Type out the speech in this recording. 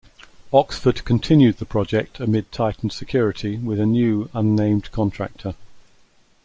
Oxford continued the project amid tightened security with a new unnamed contractor.